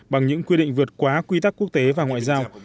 bằng những quy định vượt quá quy tắc quốc tế và ngoại giao